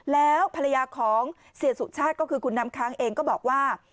แล้วภรรยาของเสียสุชาติก็คือคุณน้ำค้างเองก็บอกว่า